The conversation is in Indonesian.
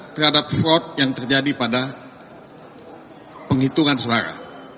terhadap fraud yang terjadi pada penghitungan suara